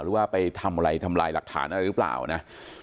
หรือว่าไปทำอะไรทำลายหลักฐานอะไรหรือเปล่านะ